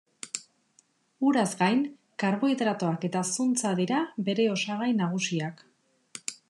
Uraz gain, karbohidratoak eta zuntza dira bere osagai nagusiak.